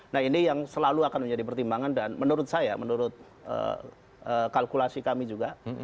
nah ini yang selalu akan menjadi pertimbangan dan menurut saya menurut kalkulasi kami juga